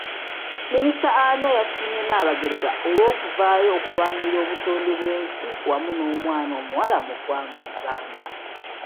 Minisita Anywar yasiimye Nnaabagereka olw'okuvaayo okulwanirira obutonde bw'ensi wamu n'omwana omuwala mu ggwanga Uganda.